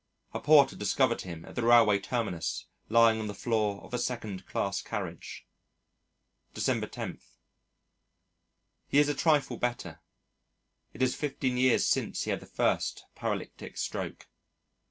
A porter discovered him at the railway terminus lying on the floor of a second class carriage. December 10. He is a trifle better. It is fifteen years since he had the first paralytic stroke.